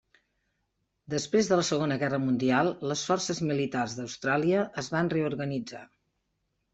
Després de la Segona Guerra Mundial les forces militars d'Austràlia es van reorganitzar.